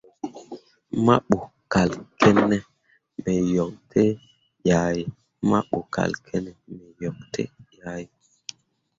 Mahbo kal kǝne me yok dǝ̃ǝ̃ yah ye.